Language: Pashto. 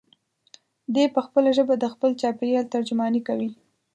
دی په خپله ژبه د خپل چاپېریال ترجماني کوي.